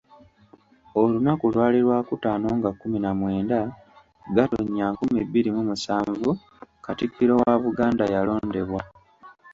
Olunaku lwali Lwakutaano nga kkuminamwenda, Gatonnya nkumi bbiri mu musanvu, Katikkiro wa Buganda yalondebwa.